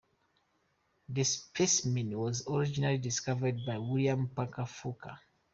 The specimen was originally discovered by William Parker Foulke.